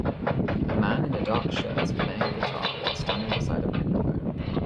A man in a dark shirt playing a guitar while standing beside a microphone.